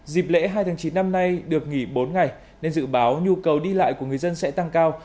dịp lễ hai tháng chín năm nay được nghỉ bốn ngày nên dự báo nhu cầu đi lại của người dân sẽ tăng cao